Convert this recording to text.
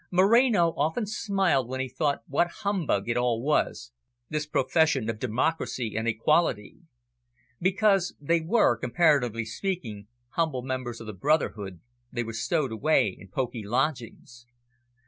Moreno often smiled when he thought what humbug it all was, this profession of democracy and equality. Because they were, comparatively speaking, humble members of the brotherhood, they were stowed away in poky lodgings.